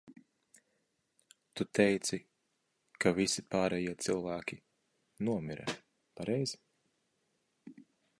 Tu teici, ka visi pārējie cilvēki nomira, pareizi?